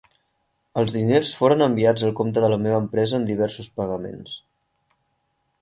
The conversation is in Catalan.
Els diners foren enviats al compte de la meva empresa en diversos pagaments.